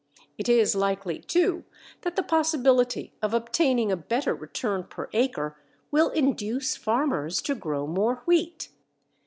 It is likely too that the possibility of obtaining a better return per acre will induce farmers to grow more wheat.